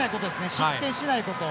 失点しないこと。